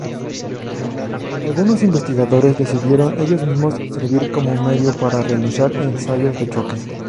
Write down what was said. Algunos investigadores decidieron ellos mismos servir como medio para realizar ensayos de choque.